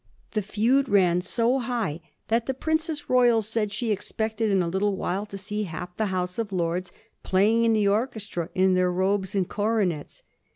The feud ran so high that the Princess Royal said she expected in a little while to see half the House of Lords playing in the orchestra in their robes and coro nets.